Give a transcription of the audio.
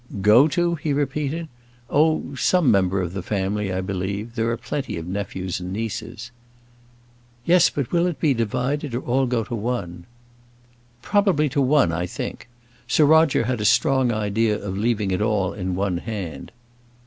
"Go to?" he repeated. "Oh, some member of the family, I believe. There are plenty of nephews and nieces." "Yes; but will it be divided, or all go to one?" "Probably to one, I think. Sir Roger had a strong idea of leaving it all in one hand."